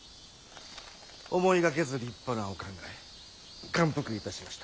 思いがけず立派なお考え感服いたしました。